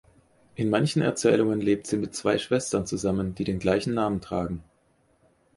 In manchen Erzählungen lebt sie mit zwei Schwestern zusammen, die den gleichen Namen tragen.